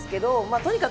とにかく